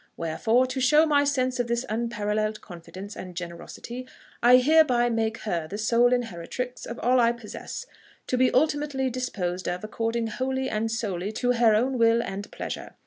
WHEREFORE, to show my sense of this unparalleled confidence and generosity, I hereby make her the sole inheritrix of all I possess, to be ultimately disposed of according wholly and solely to her own own will and pleasure...."